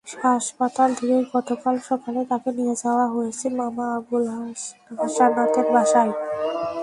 হাসপাতাল থেকে গতকাল সকালে তাকে নিয়ে যাওয়া হয়েছে মামা আবুল হাসানাতের বাসায়।